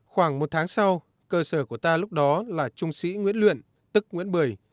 khoảng một tháng sau cơ sở của ta lúc đó là trung sĩ nguyễn luyện tức nguyễn bưởi